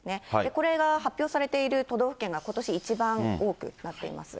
これが発表されている都道府県がことし一番多くなっています。